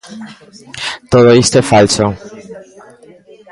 Todo isto é falso.